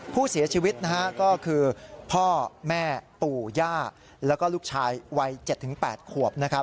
ผู้เสียชีวิตก็คือพ่อแม่ปู่ย่าแล้วก็ลูกชายวัย๗๘ขวบ